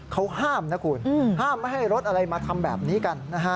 เขาห้ามนะคุณห้ามไม่ให้รถอะไรมาทำแบบนี้กันนะฮะ